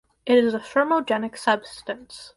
It is a thermogenic substance.